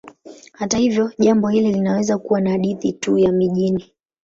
Hata hivyo, jambo hili linaweza kuwa ni hadithi tu ya mijini.